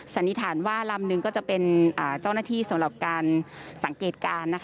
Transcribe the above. สันนิษฐานลำ๑เป็นเจ้าหน้าที่สำหรับการสังเกตการณ์